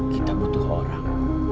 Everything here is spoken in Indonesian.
kita butuh orang